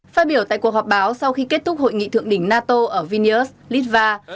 nhiều tại cuộc họp báo sau khi kết thúc hội nghị thượng đỉnh nato ở vilnius litva